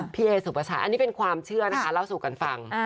พี่เอสุปชัยอันนี้เป็นความเชื่อนะคะเล่าสู่กันฟัง